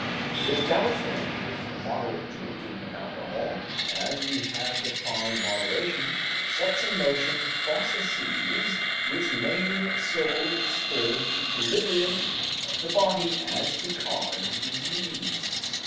It is doubtful if the moderate drinking of alcohol, as we have defined moderation, sets in motion processes which may so disturb the equilibrium of the body as to cause disease.